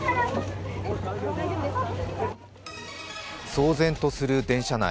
騒然とする電車内。